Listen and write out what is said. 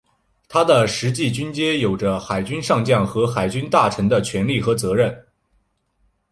他的实际军阶有着海军上将和海军大臣的权力和职责。